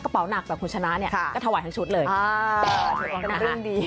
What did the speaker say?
เป็นเรื่องดี